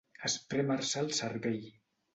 Esprémer-se el cervell.